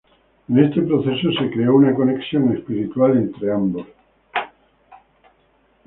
En este proceso se creó una conexión espiritual entre ambos.